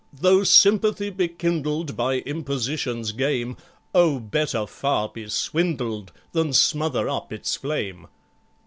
Though sympathy be kindled By Imposition's game, Oh, better far be swindled Than smother up its flame!"